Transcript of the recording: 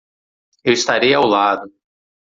Eu estarei ao lado.